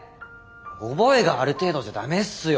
覚えがある程度じゃダメっすよ。